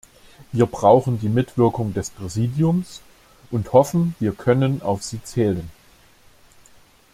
Wir brauchen die Mitwirkung des Präsidiums und hoffen, wir können auf Sie zählen.